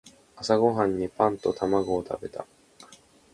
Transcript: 朝ごはんにはパンと卵を食べた。